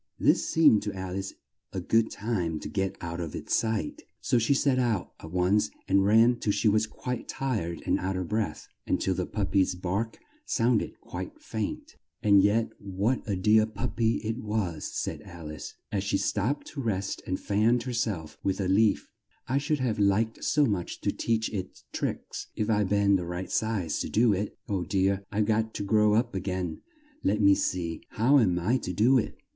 This seemed to Al ice a good time to get out of its sight, so she set out at once and ran till she was quite tired and out of breath, and till the pup py's bark sound ed quite faint. "And yet what a dear pup py it was," said Al ice, as she stopped to rest and fanned her self with a leaf: "I should have liked so much to teach it tricks, if if I'd been the right size to do it! Oh dear! I've got to grow up a gain! Let me see how am I to do it?